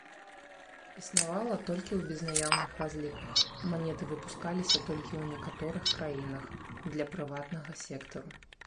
Існавала толькі ў безнаяўных разліках, манеты выпускаліся толькі ў некаторых краінах для прыватнага сектару.